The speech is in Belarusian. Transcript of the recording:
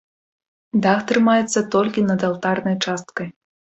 Дах трымаецца толькі над алтарнай часткай.